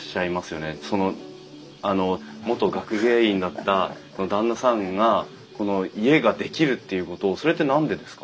そのあの元学芸員だった旦那さんがこの家ができるっていうことをそれって何でですか？